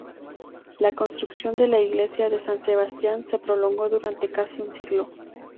La construcción de la Iglesia de San Sebastián se prolongó durante casi un siglo.